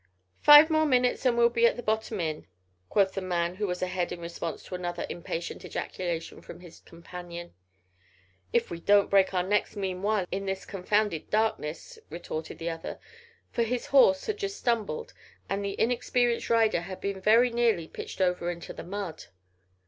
"Five more minutes and we be at th' Bottom Inn," quoth the man who was ahead in response to another impatient ejaculation from his companion. "If we don't break our necks meanwhile in this confounded darkness," retorted the other, for his horse had just stumbled and the inexperienced rider had been very nearly pitched over into the mud.